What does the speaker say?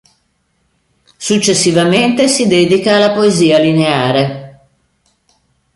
Successivamente si dedica alla poesia lineare.